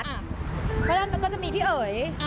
เพราะฉะนั้นมันก็จะมีพี่เอ๋ย